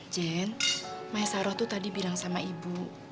jin mai saroh itu tadi bilang sama ibu